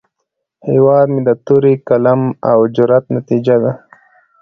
هیواد مې د تورې، قلم، او جرئت نتیجه ده